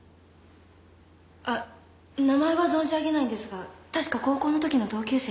あっ名前は存じ上げないんですが確か高校の時の同級生に。